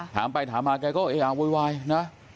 ถามไปถามมาแกก็เออะโวยวายนะ